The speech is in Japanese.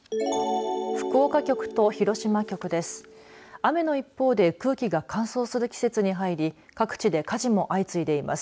福岡局と広島局です。